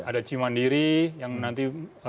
ada cimandiri yang nanti